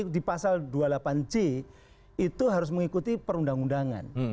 di pasal dua puluh delapan c itu harus mengikuti perundang undangan